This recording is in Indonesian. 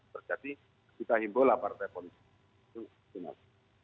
terjadi kita himbaulah partai politik